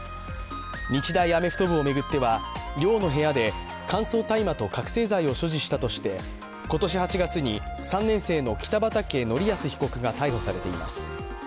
日大アメフト部を巡っては、寮の部屋で乾燥大麻と覚醒剤を所持したとして今年８月に３年生の北畠成文被告が逮捕されています。